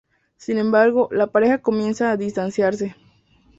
Sin embargo, la pareja comienza a distanciarse.